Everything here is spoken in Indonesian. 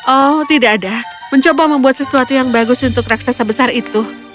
oh tidak ada mencoba membuat sesuatu yang bagus untuk raksasa besar itu